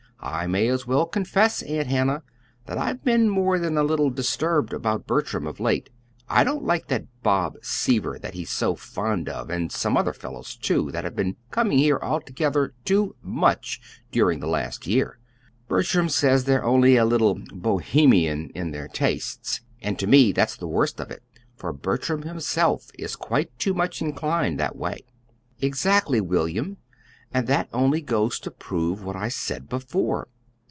I may as well confess, Aunt Hannah, that I've been more than a little disturbed about Bertram of late. I don't like that Bob Seaver that he is so fond of; and some other fellows, too, that have been coming here altogether too much during the last year. Bertram says they're only a little 'Bohemian' in their tastes. And to me that's the worst of it, for Bertram himself is quite too much inclined that way." "Exactly, William. And that only goes to prove what I said before.